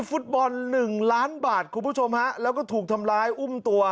ฟุตบอลหนึ่งล้านบาทคุณผู้ชมฮะแล้วก็ถูกทำร้ายอุ้มตัว